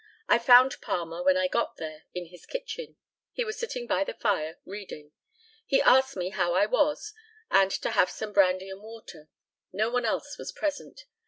I found Palmer, when I got there, in his kitchen. He was sitting by the fire, reading. He asked me how I was, and to have some brandy and water. No one else was present.